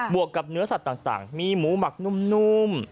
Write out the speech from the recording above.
วกกับเนื้อสัตว์ต่างมีหมูหมักนุ่ม